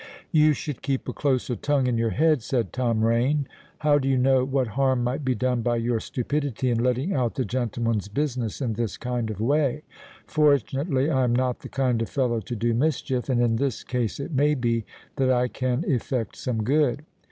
"You should keep a closer tongue in your head," said Tom Rain. "How do you know what harm might be done by your stupidity in letting out the gentleman's business in this kind of way? Fortunately, I am not the kind of fellow to do mischief; and in this case, it may be, that I can effect some good."